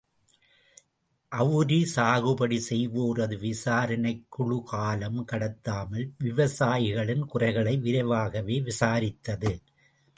அவுரி சாகுபடி செய்வோரது விசாரணைக் குழு காலம் கடத்தாமல் விவசாயிகளின் குறைகளை விரைவாகவே விசாரித்தது.